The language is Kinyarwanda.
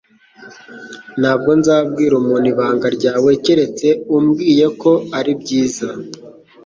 Ntabwo nzabwira umuntu ibanga ryawe keretse umbwiye ko ari byiza.